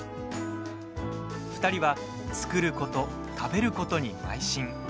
２人は、作ること食べることに、まい進。